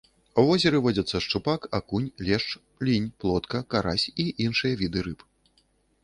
У возеры водзяцца шчупак, акунь, лешч, лінь, плотка, карась і іншыя віды рыб.